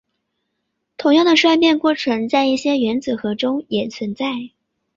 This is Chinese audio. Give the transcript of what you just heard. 同样的衰变过程在一些原子核中也存在。